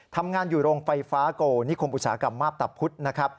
ทำงานอยู่โรงไฟฟ้าโกนิคมอุตสาหกรรมมาพตะพุธนะครับ